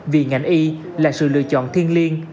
vì ngành y là sự lựa chọn thiên liêng